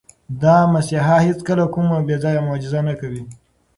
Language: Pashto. دا مسیحا هیڅکله کومه بې ځایه معجزه نه کوي.